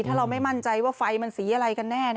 ถ้าเราไม่มั่นใจว่าไฟมันสีอะไรกันแน่